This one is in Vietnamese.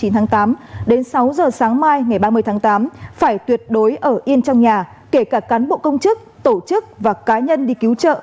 hai mươi chín tháng tám đến sáu h sáng mai ngày ba mươi tháng tám phải tuyệt đối ở yên trong nhà kể cả cán bộ công chức tổ chức và cá nhân đi cứu trợ